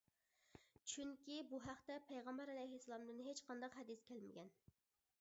چۈنكى بۇ ھەقتە پەيغەمبەر ئەلەيھىسسالامدىن ھېچقانداق ھەدىس كەلمىگەن.